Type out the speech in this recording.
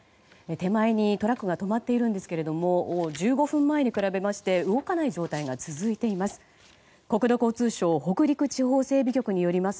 手前に、トラックが止まっているんですけれども１５分前に比べまして動かない状態が続いています。